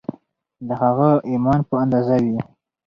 د هغه د ایمان په اندازه وي